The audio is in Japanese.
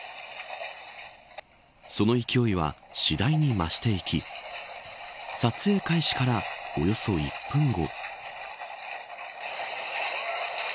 その勢いは次第に増していき撮影開始からおよそ１分後。